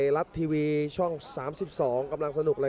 โยกขวางแก้งขวา